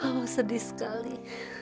mama sedih sekali